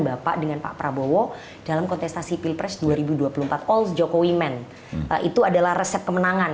bapak dengan pak prabowo dalam kontestasi pilpres dua ribu dua puluh empat all jokowi man itu adalah resep kemenangan